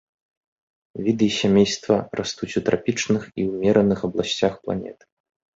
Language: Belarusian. Віды сямейства растуць у трапічных і ўмераных абласцях планеты.